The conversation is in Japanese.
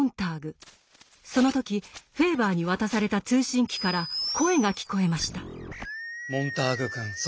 その時フェーバーに渡された通信機から声が聞こえました。